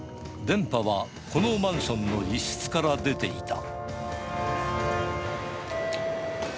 電波はこのマンションの一室から出ていた。